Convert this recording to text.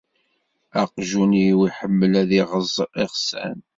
Aqjun-iw iḥemmel ad iɣeẓẓ iɣsan.